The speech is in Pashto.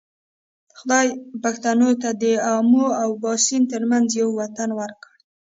خدای پښتنو ته د آمو او باسین ترمنځ یو وطن ورکړی.